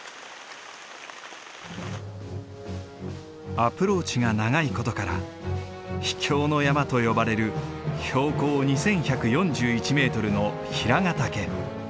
アプローチが長い事から秘境の山と呼ばれる標高２，１４１メートルの平ヶ岳。